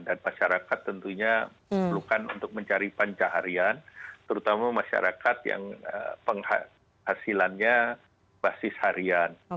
dan masyarakat tentunya perlukan untuk mencari panca harian terutama masyarakat yang penghasilannya basis harian